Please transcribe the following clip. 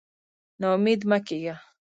نا امېد مه کېږه.